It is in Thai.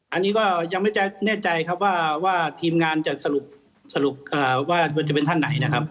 อันนี้ก็ยังไม่แน่ใจครับว่าทีมงานจะสรุปว่าควรจะเป็นท่านไหนนะครับ